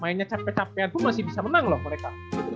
mainnya cape capean pun masih bisa menang loh mereka